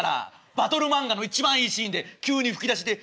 バトル漫画の一番いいシーンで急に吹き出しで